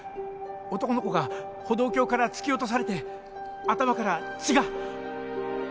男の子が歩道橋から突き落とされて頭から血が！